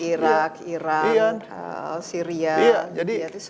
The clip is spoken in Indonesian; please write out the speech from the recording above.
irak iran syria